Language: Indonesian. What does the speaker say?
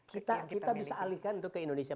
kita bisa alihkan untuk ke indonesia